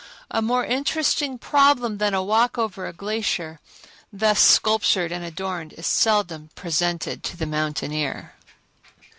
A more interesting problem than a walk over a glacier thus sculptured and adorned is seldom presented to the mountaineer.